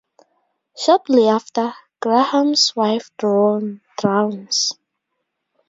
Shortly after, Graham's wife drowns.